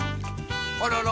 あらら。